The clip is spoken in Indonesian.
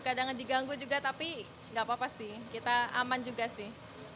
kadang diganggu juga tapi nggak apa apa sih kita aman juga sih